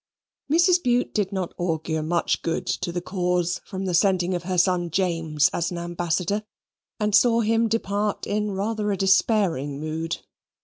Mrs. Bute did not augur much good to the cause from the sending of her son James as an ambassador, and saw him depart in rather a despairing mood.